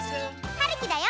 はるきだよ！